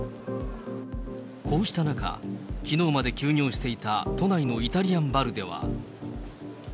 こうした中、きのうまで休業していた都内のイタリアンバルでは。